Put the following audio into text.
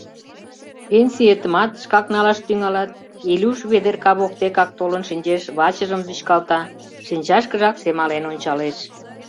Пенсиетымат шкак налаш тӱҥалат, — Илюш Ведерка воктекак толын шинчеш, вачыжым вӱчкалта, шинчашкыжак семален ончалеш.